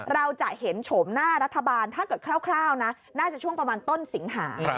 เราจะเห็นโฉมหน้ารัฐบาลถ้าเกิดคร่าวนะน่าจะช่วงประมาณต้นสิงหา